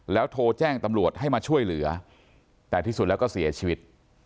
แล้วโทรแจ้งตำรวจให้มาช่วยเหลือแต่ที่สุดแล้วก็เสียชีวิต